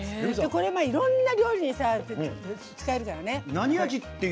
これ、いろんな料理に使えるからね。